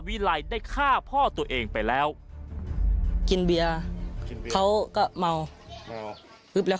วิลัยได้ฆ่าพ่อตัวเองไปแล้วกินเบียร์เขาก็เมาเพื่อเขาก็